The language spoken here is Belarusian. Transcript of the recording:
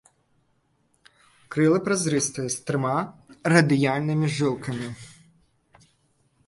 Крылы празрыстыя з трыма радыяльнымі жылкамі.